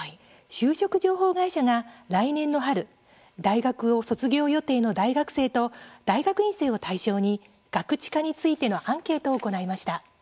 就職情報会社が来年の春大学を卒業予定の大学生と大学院生を対象にガクチカについてのアンケートを行いました。